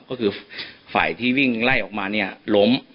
ก็คือฝ่ายที่วิ่งไล่ออกมาเนี่ยล้ม